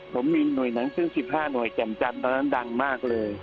ผมมีหน่วยหนังสือ๑๕หน่วยแก่มจันทร์ตอนนั้นดังมากเลย